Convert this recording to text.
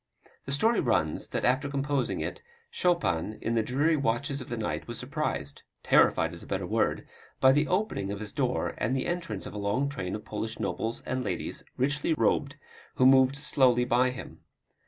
The story runs, that after composing it, Chopin in the dreary watches of the night was surprised terrified is a better word by the opening of his door and the entrance of a long train of Polish nobles and ladies, richly robed, who moved slowly by him.